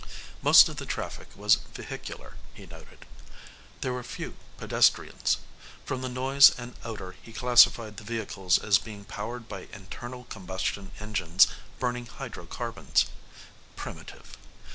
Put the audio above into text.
Most of the traffic was vehicular, he noted. There were few pedestrians. From the noise and odor he classified the vehicles as being powered by internal combustion engines burning hydro carbons. Primitive.